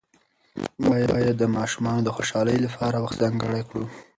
موږ باید د ماشومانو د خوشحالۍ لپاره وخت ځانګړی کړو